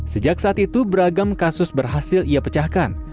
sejak saat itu beragam kasus berhasil ia pecahkan